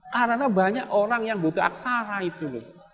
karena banyak orang yang butuh aksara itu